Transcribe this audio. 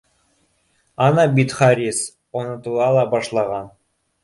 Ана бит, Харис, онотола ла башлаған